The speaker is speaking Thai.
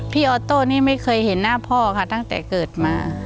ออโต้นี่ไม่เคยเห็นหน้าพ่อค่ะตั้งแต่เกิดมา